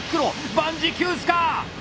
万事休すか！